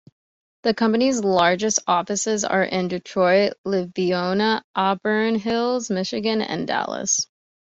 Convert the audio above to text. The company's largest offices are in Detroit, Livonia, Auburn Hills, Michigan and Dallas.